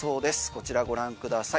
こちらご覧ください。